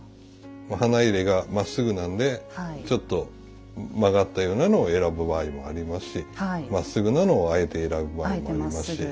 花入がまっすぐなんでちょっと曲がったようなのを選ぶ場合もありますしまっすぐなのをあえて選ぶ場合もありますし。